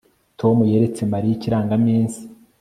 Tom yeretse Mariya ikirangaminsi